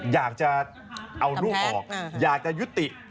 อยากจะเอาลูกออกอยากจะยุติ